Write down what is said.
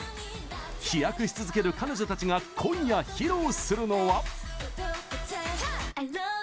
飛躍し続ける彼女たちが今夜、披露するのは。